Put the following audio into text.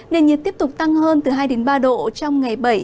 nền nhiệt tiếp tục tăng hơn từ hai ba độ trong ngày bảy